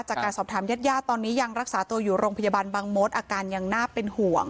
จากการสอบถามญาติญาติตอนนี้ยังรักษาตัวอยู่โรงพยาบาลบางมดอาการยังน่าเป็นห่วง